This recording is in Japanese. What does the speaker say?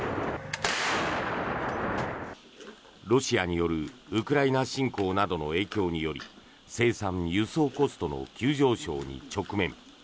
ロシアによるウクライナ侵攻などの影響により生産・輸送コストの急上昇に直面。